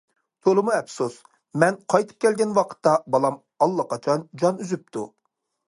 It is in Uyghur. تولىمۇ ئەپسۇس، مەن قايتىپ كەلگەن ۋاقىتتا بالام ئاللىقاچان جان ئۈزۈپتۇ.